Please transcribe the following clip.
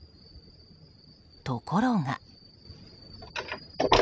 ところが。